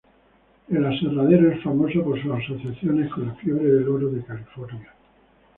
El aserradero es famoso por su asociación con la fiebre del oro de California.